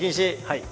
はい。